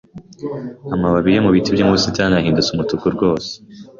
Amababi yibiti byo mu busitani yahindutse umutuku rwose.